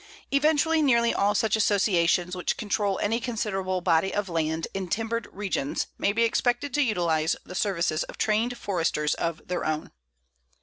Eventually nearly all such associations which control any considerable body of land in timbered regions may be expected to utilize the services of trained Foresters of their own.